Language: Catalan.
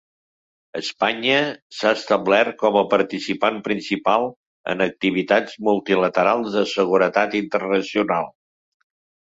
Espanya s'ha establert com a participant principal en activitats multilaterals de seguretat internacional.